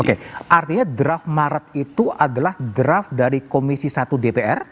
oke artinya draft maret itu adalah draft dari komisi satu dpr